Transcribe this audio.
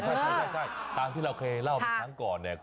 ใช่ตามที่เราเคยเล่าไปครั้งก่อนเนี่ย